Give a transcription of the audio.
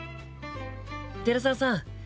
寺澤さん。